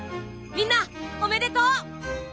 みんなおめでとう！